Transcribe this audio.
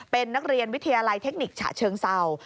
เป็นนักเรียนวิทยาลัยเทคนิคฉะเชิงเศร้า